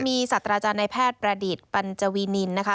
ก็มีสัตว์ราชาณายแพทย์ประดิษฐ์ปัญจวีนินนะคะ